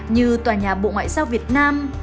như tòa nhà bộ ngoại giao việt nam